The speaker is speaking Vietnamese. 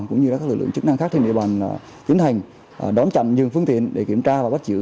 cũng như các lực lượng chức năng khác trên địa bàn tiến hành đón chậm nhiều phương tiện để kiểm tra và bắt giữ